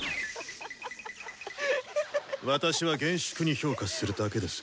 私は厳粛に評価するだけです。